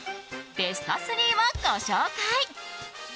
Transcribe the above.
ベスト３をご紹介。